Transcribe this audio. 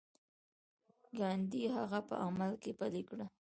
ګاندي هغه په عمل کې پلي کړه.